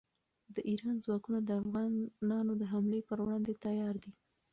د ایران ځواکونه د افغانانو د حملې پر وړاندې تیار دي.